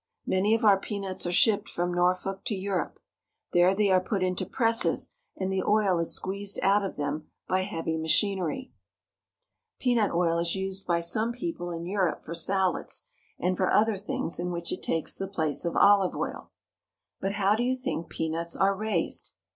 Many of our peanuts are shipped from Norfolk to Eu rope. There they are put into presses, and the oil is squeezed out of them by heavy machinery. Peanut oil 102 VIRGINIA. is used by some people in Europe for salads, and for other things, in which it takes the place of olive oil. But how do you think peanuts are raised